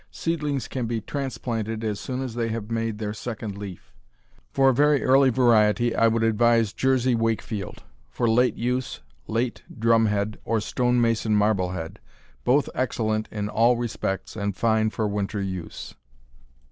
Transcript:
Seedlings can be transplanted as soon as they have made their second leaf. For a very early variety I would advise Jersey Wakefield. For late use Late Drumhead or Stone Mason Marblehead both excellent in all respects, and fine for winter use.